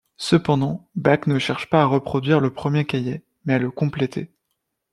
Cependant Bach ne cherche pas à reproduire le premier cahier, mais à le compléter.